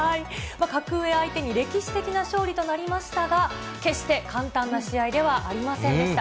格上相手に歴史的な勝利となりましたが、決して簡単な試合ではありませんでした。